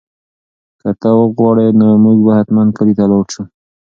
که ته وغواړې نو موږ به حتماً کلي ته لاړ شو.